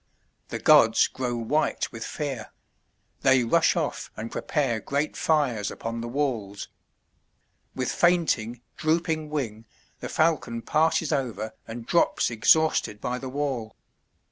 The gods grow white with fear; they rush off and prepare great fires upon the walls. With fainting, drooping wing the falcon passes over and drops exhausted by the wall.